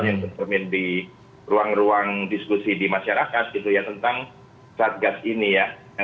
yang tercermin di ruang ruang diskusi di masyarakat gitu ya tentang satgas ini ya